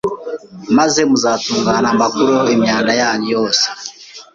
maze muzatungana, mbakureho imyanda yanyu yose